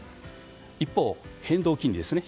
一方、変動金利です。